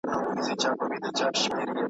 تا هم کړي دي د اور څنګ ته خوبونه؟ .